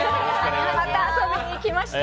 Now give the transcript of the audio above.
また遊びに来ました。